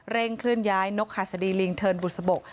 เร่งคลื่นย้ายนกฮาศดีลิงเทินบุษบก